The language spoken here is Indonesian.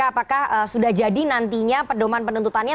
apakah sudah jadi nantinya pendoman pendontutannya